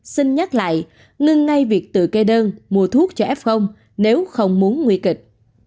xin nhắc lại ngưng ngay việc tự kê đơn mua thuốc cho f nếu không muốn nguy kịch